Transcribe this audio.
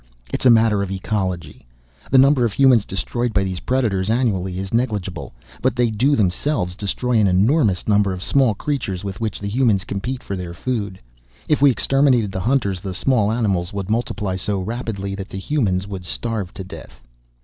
It's a matter of ecology. The number of humans destroyed by these predators annually is negligible but they do themselves destroy an enormous number of small creatures with which the humans compete for their food. If we exterminated the hunters the small animals would multiply so rapidly that the humans would starve to death."